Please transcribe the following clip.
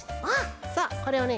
さあこれをね